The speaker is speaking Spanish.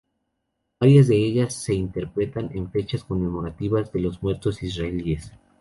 Varias de ellas se interpretan en fechas conmemorativas de los muertos israelíes.